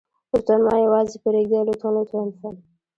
لطفاً ما يوازې پرېږدئ لطفاً لطفاً لطفاً.